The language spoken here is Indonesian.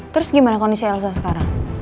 terus gimana kondisi elsa sekarang